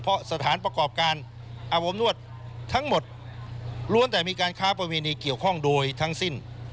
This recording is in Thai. เพราะสถานประกอบการอาบอบนวดทั้งหมดล้วนแต่มีการค้าประเวณีเกี่ยวข้องโดยทั้งสิ้น